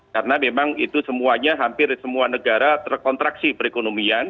karena memang itu semuanya hampir semua negara terkontraksi perekonomian